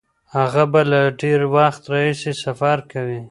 هغه به له ډیر وخت راهیسې سفر کوي.